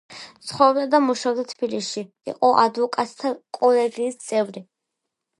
ცხოვრობდა და მუშაობდა თბილისში, იყო ადვოკატთა კოლეგიის წევრი.